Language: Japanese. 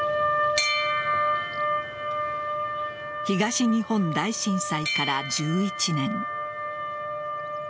東日本大震災から１１年。